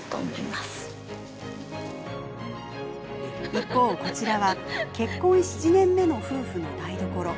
一方、こちらは結婚７年目の夫婦の台所。